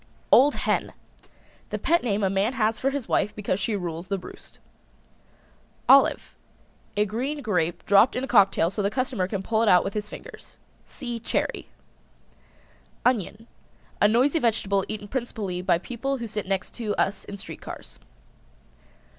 OLD HEN. The pet name a man has for his wife because she rules the roost. OLIVE. A green grape dropped in a cocktail so the customer can pull it out with his fingers. See Cherry. ONION. A noisy vegetable eaten principally by people who sit next to us in street cars.